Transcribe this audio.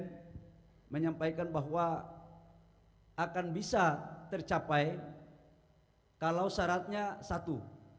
saya menyampaikan bahwa akan bisa tercapai kalau syaratnya satu